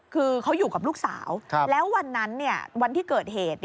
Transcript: คือเขาอยู่กับลูกสาวแล้ววันนั้นวันที่เกิดเหตุ